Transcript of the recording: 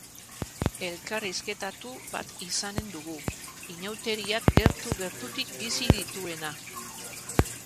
Elkarrizketatu bat izanen dugu, iñauteriak gertu-gertutik bizi dituena.